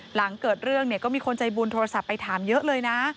หลังเกิดเรื่องเนี่ยก็มีคนใจบุญโทรศัพท์ไปถามเยอะเลยนะ